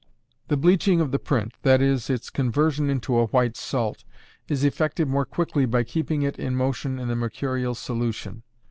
The bleaching of the print that is, its conversion into a white salt is effected more quickly by keeping it in motion in the mercurial solution.